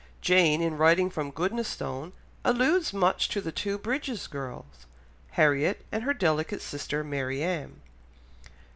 Jane in writing from Goodnestone alludes much to the two Bridges girls, Harriet and her delicate sister Marianne.